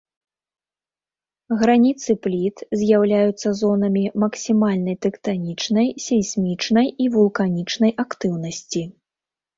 Граніцы пліт з'яўляюцца зонамі максімальнай тэктанічнай, сейсмічнай і вулканічнай актыўнасці.